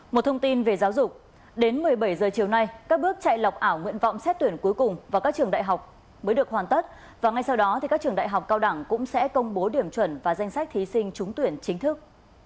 một thông tin về giáo dục đến một mươi bảy h chiều nay các bước chạy lọc ảo nguyện vọng xét tuyển cuối cùng vào các trường đại học mới được hoàn tất và ngay sau đó các trường đại học cao đẳng cũng sẽ công bố điểm chuẩn và danh sách thí sinh trúng tuyển chính thức